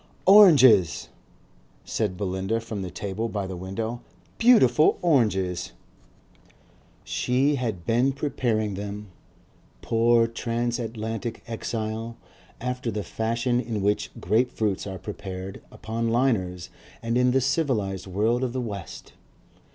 "Oranges!" said Belinda from the table by the window. "Beautiful oranges." She had been preparing them, poor Trans atlantic exile, after the fashion in which grape fruits are prepared upon liners and in the civilized world of the west.